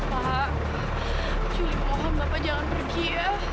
pak culy mohon bapak jangan pergi ya